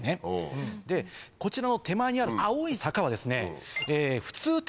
こちらの手前にある青い坂は普通